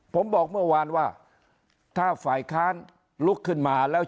ผมบอกเมื่อวานว่าถ้าฝ่ายค้านลุกขึ้นมาแล้ว